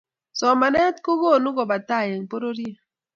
Somanet kokonu kepa tai eng' pororiet